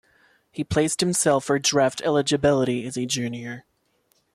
He placed himself for draft eligibility as a junior.